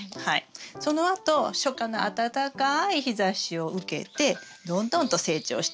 そのあと初夏の暖かい日ざしを受けてどんどんと成長していきます。